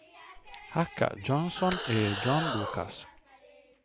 H. Johnson e John Lucas.